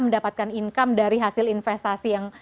mendapatkan income dari hasil investasi yang